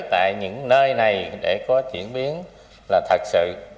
tại những nơi này để có chuyển biến là thật sự